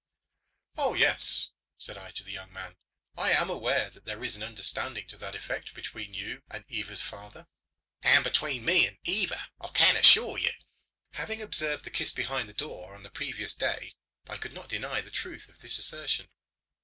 "Oh yes," said I to the young man, "I am aware that there is an understanding to that effect between you and Eva's father." "And between me and Eva, I can assure you." Having observed the kiss behind the door on the previous day, I could not deny the truth of this assertion.